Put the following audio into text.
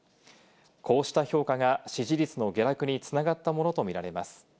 こうした評価が支持率の下落に繋がったものとみられます。